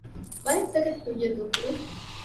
ބައެއް ތަކެތި ކުއްޔައްދޫކުރުން